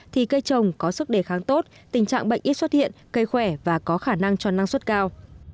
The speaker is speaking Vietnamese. thì cây trồng có sức đề kháng tốt tình trạng bệnh ít xuất hiện cây khỏe và có khả năng cho năng suất cao